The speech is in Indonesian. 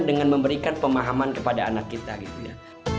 dengan memberikan pemahaman kepada anak kita gitu ya